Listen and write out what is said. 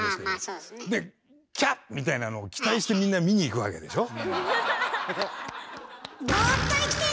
みたいなのを期待してみんな見に行くわけでしょ？